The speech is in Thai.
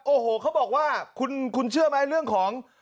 โอ้โหเขาบอกว่าคุณเชื่อไหมเรื่องของ